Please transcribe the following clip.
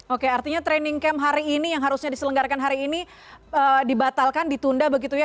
oke artinya training camp hari ini yang harusnya diselenggarakan hari ini dibatalkan ditunda begitu ya